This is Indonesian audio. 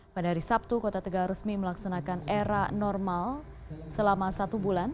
pada hari sabtu kota tegal resmi melaksanakan era normal selama satu bulan